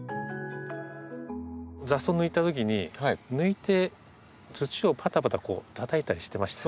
雑草を抜いたときに抜いて土をパタパタたたいたりしてましたね。